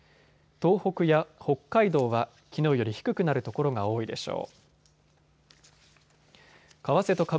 東北や北海道はきのうより低くなる所が多いでしょう。